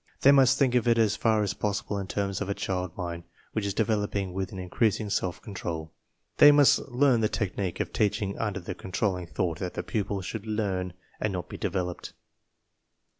They must think of it as far as possible in terms of a child mind which is developing with an increasing self control. They must learn the technique of teaching under the controlling thought that the pupil should learn and not be developed.